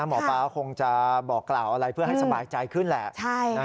หมอปลาคงจะบอกกล่าวอะไรเพื่อให้สบายใจขึ้นแหละ